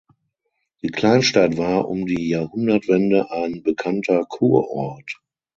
Die Kleinstadt war um die Jahrhundertwende ein bekannter Kurort.